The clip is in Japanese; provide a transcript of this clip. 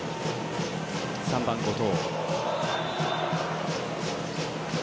３番、後藤。